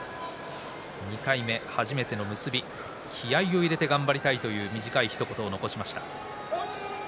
２回目、初めての結び、気合いを入れて頑張りたいという短いひと言を残しました。